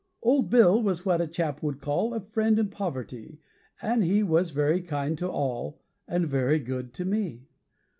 Old Bill was what a chap would call A friend in poverty, And he was very kind to all, And very good to me.